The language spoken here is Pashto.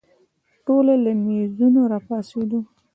ټوله له مېزونو راپاڅېدو.